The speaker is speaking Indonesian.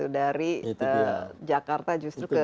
dari jakarta justru ke